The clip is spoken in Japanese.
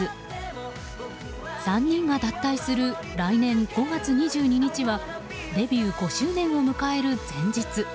３人が脱退する来年５月２２日はデビュー５周年を迎える前日。